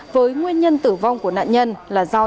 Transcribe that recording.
với nguyên nhân tử vong của nạn nhân là diễn viên